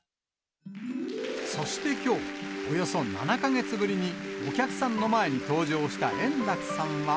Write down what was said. そしてきょう、およそ７か月ぶりにお客さんの前に登場した円楽さんは。